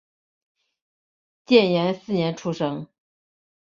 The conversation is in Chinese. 建炎四年出生。